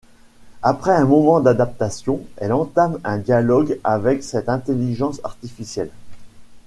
Après un moment d'adaptation, elle entame un dialogue avec cette intelligence artificielle.